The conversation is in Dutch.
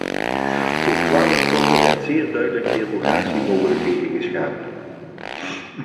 Voor twaalf stoffen werden zeer uitdrukkelijk derogatiemogelijkheden geschapen.